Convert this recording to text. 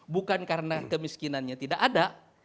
bukan karena kemiskinannya tidak ada